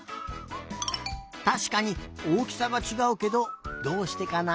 たしかにおおきさがちがうけどどうしてかな？